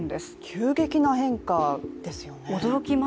急激な変化ですよね。